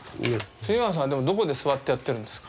村さんでもどこで座ってやってるんですか？